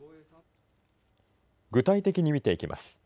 具体的に見ていきます。